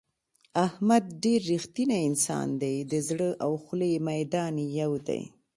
احمد ډېر رښتینی انسان دی د زړه او خولې میدان یې یو دی.